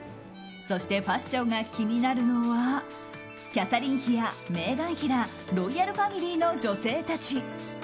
そしてファッションが気になるのはキャサリン妃やメーガン妃らロイヤルファミリーの女性たち。